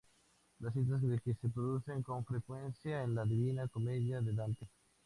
Las citas de que se producen con frecuencia en la "Divina Comedia" de Dante.